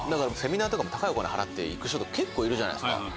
セミナーとかも高いお金払って行く人とか結構いるじゃないですか。